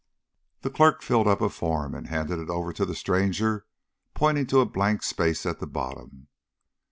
The clerk filled up a form and handed it over to the stranger, pointing to a blank space at the bottom.